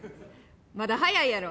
まだ早いやろ。